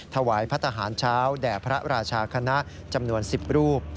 ถวายพระทหารเช้าแด่พระราชาคณะจำนวน๑๐รูป